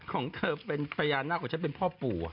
ของเธอเป็นพญานาคของฉันเป็นพ่อปู่